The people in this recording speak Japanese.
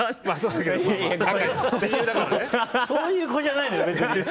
そういう子じゃないのよ。